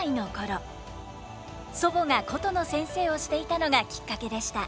祖母が箏の先生をしていたのがきっかけでした。